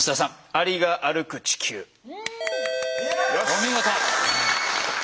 お見事！